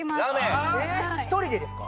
１人でですか？